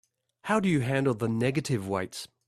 How do you handle the negative weights?